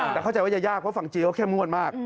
แต่เข้าใจว่าจะยากเพราะฝั่งจีนเขาแค่ม่วนมาก